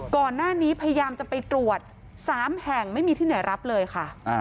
ก่อนหน้านี้พยายามจะไปตรวจ๓แห่งไม่มีที่ไหนรับเลยค่ะ